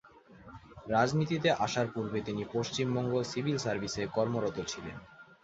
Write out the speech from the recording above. রাজনীতিতে আসার পূর্বে তিনি পশ্চিমবঙ্গ সিভিল সার্ভিসে কর্মরত ছিলেন।